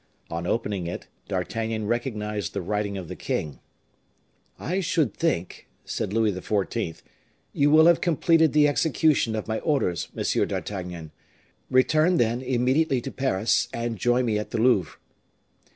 On opening it, D'Artagnan recognized the writing of the king: "I should think," said Louis XIV., "you will have completed the execution of my orders, Monsieur d'Artagnan; return, then, immediately to Paris, and join me at the Louvre."